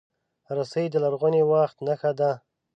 رسۍ د لرغوني وخت نښه ده.